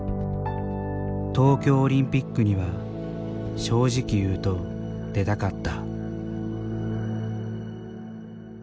「東京オリンピックには正直言うと出たかった」